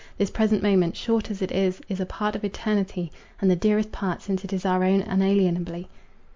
This present moment, short as it is, is a part of eternity, and the dearest part, since it is our own unalienably.